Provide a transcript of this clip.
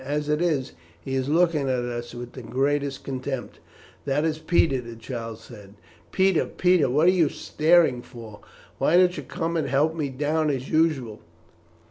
As it is, he is looking at us with the greatest contempt." "That is Peter," the child said. "Peter, Peter, what are you standing staring for? Why don't you come and help me down as usual?"